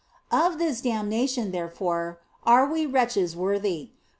Of this damnation, therefore, are we wretches worthy.